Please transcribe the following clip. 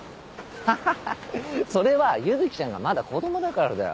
ハハハそれは結月ちゃんがまだ子供だからだよ。